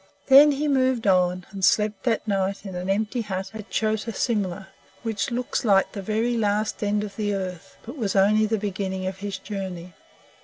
Then he moved on, and slept that night in an empty hut at Chota Simla, which looks like the very last end of the earth, but it was only the beginning of his journey.